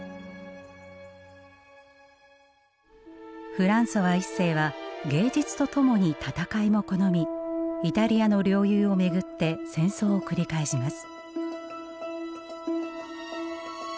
フランソワ一世は芸術とともに戦いも好みイタリアの領有を巡って戦争を繰り返します。